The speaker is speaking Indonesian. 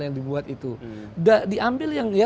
yang dibuat itu diambil yang dia